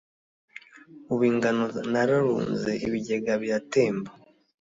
Ubu ingano nararunze, Ibigega biratemba